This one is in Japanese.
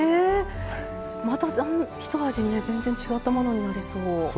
また、一味全然、違ったものになりそう。